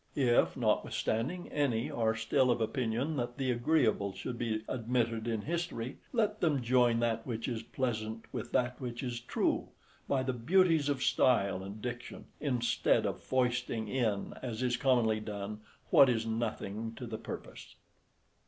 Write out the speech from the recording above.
If notwithstanding any are still of opinion, that the agreeable should be admitted in history, let them join that which is pleasant with that which is true, by the beauties of style and diction, instead of foisting in, as is commonly done, what is nothing to the purpose.